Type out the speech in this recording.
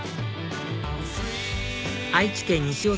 愛知県西尾